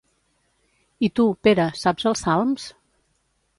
I tu, Pere, saps els salms?